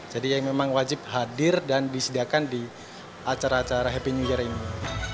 jadi memang wajib hadir dan disediakan di acara acara happy new year ini